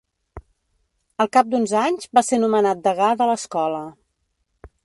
Al cap d'uns anys, va ser nomenat degà de l'escola.